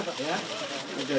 namanya jangan tidur semalam